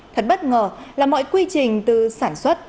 thật bất ngờ là mọi quy trình từ sản xuất